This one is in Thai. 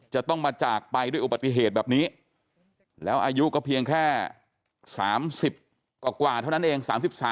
จะต้องมาจากไปด้วยอุบัติเหตุแบบนี้แล้วอายุก็เพียงแค่๓๐กว่าเท่านั้นเอง